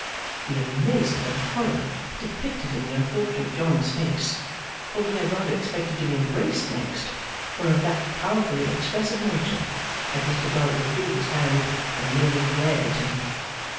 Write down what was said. The amazement and horror depicted in the unfortunate John's face for he had rather expected to be embraced next were of that powerfully expressive nature that Mr Dorrit withdrew his hand and merely glared at him.